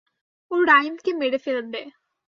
ও রাইমকে মেরে ফেলবে।